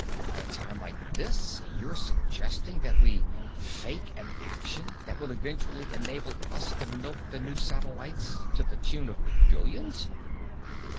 At a time like this you're suggesting that we fake an action that will eventually enable us to milk the new satellites to the tune of billions."